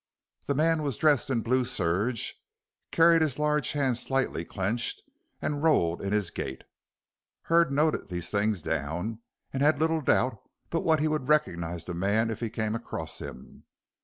The man was dressed in blue serge, carried his large hands slightly clenched, and rolled in his gait. Hurd noted these things down, and had little doubt but what he would recognize the man if he came across him.